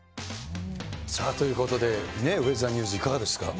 さあということで、ウェザーニューズ、いかがですか。